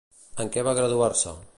En què va graduar-se?